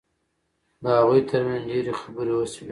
د هغوی ترمنځ ډېرې خبرې وشوې